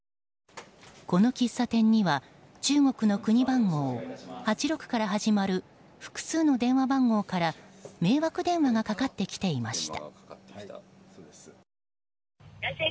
この喫茶店には中国の国番号８６から始まる複数の電話番号から迷惑電話がかかってきていました。